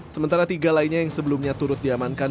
sementara tiga lainnya yang sebelumnya turut diamankan